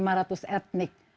jadi bagaimana menyatukan itu